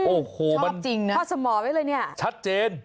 โอ้โหมันจริงนะข้อสมอไว้เลยเนี่ยชัดเจน